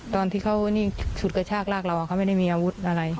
ตอนที่เขานี่ฉุดกระชากลากเราเขาไม่ได้มีอาวุธอะไร